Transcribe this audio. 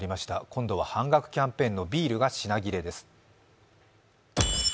今度は半額キャンペーンのビールが品切れです。